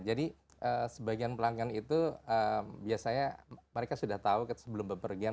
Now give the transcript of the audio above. jadi sebagian pelanggan itu biasanya mereka sudah tahu sebelum berpergian